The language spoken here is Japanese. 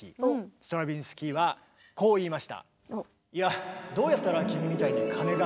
ストラヴィンスキーはこう言いました。